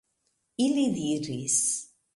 Ili diris: